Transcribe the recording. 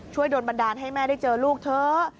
โดนบันดาลให้แม่ได้เจอลูกเถอะ